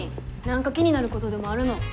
なんか気になることでもあるの？